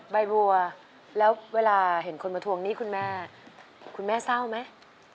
ใบบัวแล้วเวลาเห็นคนมาทวงหนี้คุณแม่คุณแม่เศร้าไหม